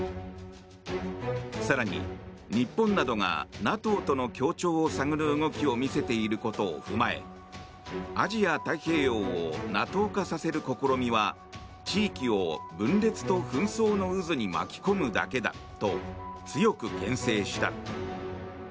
更に、日本などがＮＡＴＯとの協調を探る動きを見せていることを踏まえアジア太平洋をＮＡＴＯ化させる試みは地域を分裂と紛争の渦に巻き込むだけだと強く牽制した。